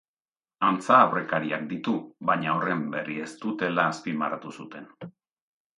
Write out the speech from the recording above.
Antza aurrekariak ditu, baina horren berri ez dutela azpimarratu zuten.